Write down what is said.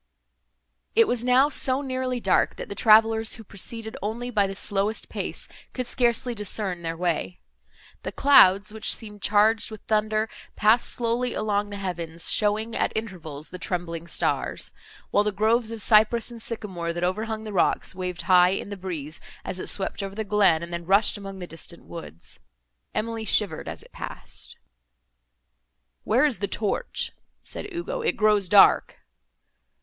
It was now so nearly dark, that the travellers, who proceeded only by the slowest pace, could scarcely discern their way. The clouds, which seemed charged with thunder, passed slowly along the heavens, showing, at intervals, the trembling stars; while the groves of cypress and sycamore, that overhung the rocks, waved high in the breeze, as it swept over the glen, and then rushed among the distant woods. Emily shivered as it passed. "Where is the torch?" said Ugo, "it grows dark."